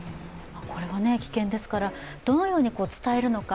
これは危険ですから、どのように伝えるのか。